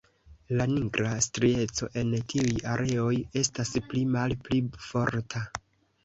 La nigra strieco en tiuj areoj estas pli malpli forta.